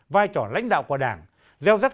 vai trò lãnh đạo của đảng gieo rắc